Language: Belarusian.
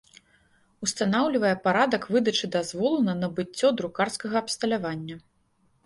Устанаўлiвае парадак выдачы дазволу на набыццё друкарскага абсталявання.